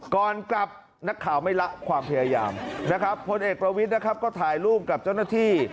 ก่อนกลับนักข่าวไม่ละความพยายามนะครับพลเอกประวิทย์นะครับก็ถ่ายรูปกับเจ้าหน้าที่